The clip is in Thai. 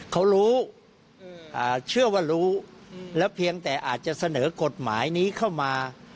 เขารู้เชื่อว่ารู้แล้วเพียงแต่อาจจะเสนอกฎหมายนี้เข้ามา